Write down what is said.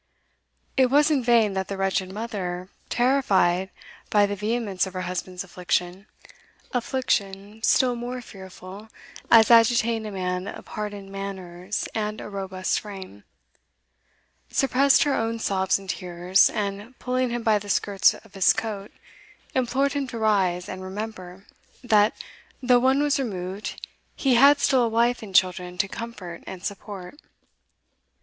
It was in vain that the wretched mother, terrified by the vehemence of her husband's affliction affliction still more fearful as agitating a man of hardened manners and a robust frame suppressed her own sobs and tears, and, pulling him by the skirts of his coat, implored him to rise and remember, that, though one was removed, he had still a wife and children to comfort and support.